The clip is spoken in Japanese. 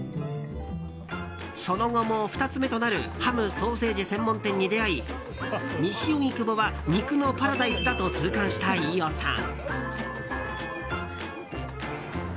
その後も２つ目となるハム・ソーセージ専門店に出会い西荻窪は肉のパラダイスだと痛感した飯尾さん。